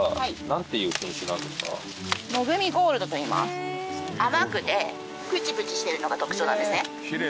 今日中にね。甘くてプチプチしてるのが特徴なんですね。